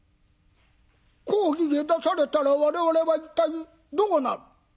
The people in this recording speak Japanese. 公儀へ出されたら我々は一体どうなる？」。